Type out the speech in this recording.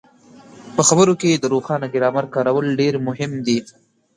په خبرو کې د روښانه ګرامر کارول ډېر مهم دي.